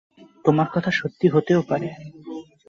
তোমার কথা সত্যি হতেও পারে।